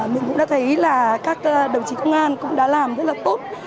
mình cũng đã thấy là các đồng chí công an cũng đã làm rất là tốt